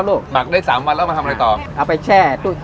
หอมมากเลย